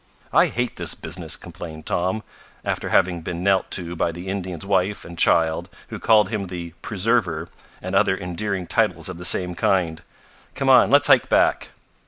"I hate this business!" complained Tom, after having been knelt to by the Indian's wife and child, who called him the "preserver" and other endearing titles of the same kind. "Come on, let's hike back."